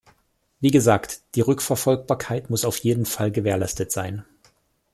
Wie gesagt, die Rückverfolgbarkeit muss auf jeden Fall gewährleistet sein.